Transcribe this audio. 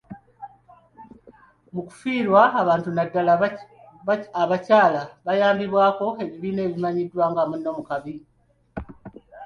Mu kufiirwa, bantu naddala bakyala bayambibwako ebibiina ebimanyiddwa nga “Munno mu kabi.”